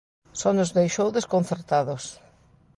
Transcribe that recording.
Só nos deixou desconcertados.